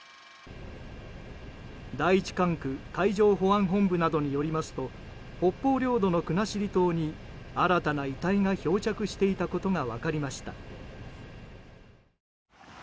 第１管区海上保安本部などによりますと北方領土の国後島に新たな遺体が漂着していたことが分かりました。